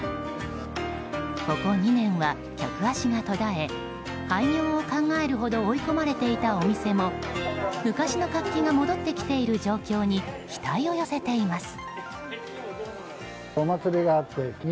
ここ２年は客足が途絶え廃業を考えるほど追い込まれていたお店も昔の活気が戻ってきている状況に期待を寄せています。